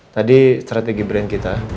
tadi strategi brand kita